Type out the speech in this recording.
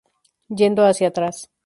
Yendo hacia atrás.